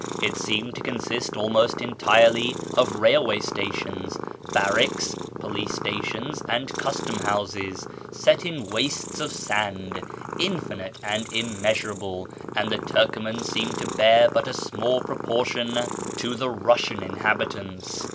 It seemed to consist almost entirely of railway stations, barracks, police stations, and custom houses, set in wastes of sand, infinite and immeasurable, and the Turcoman seemed to bear but a small proportion to the 570 A YEAR AMONGST THE PERSIANS Russian inhabitants.